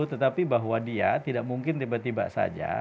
tetapi bahwa dia tidak mungkin tiba tiba saja